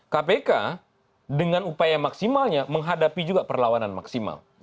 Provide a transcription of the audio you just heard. kpk dengan upaya maksimalnya menghadapi juga perlawanan maksimal